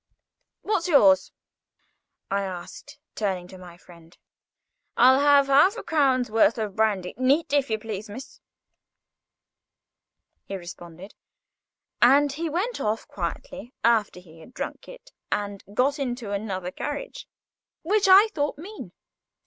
"What's yours?" I said, turning to my friend. "I'll have half a crown's worth of brandy, neat, if you please, miss," he responded. And he went off quietly after he had drunk it and got into another carriage, which I thought mean.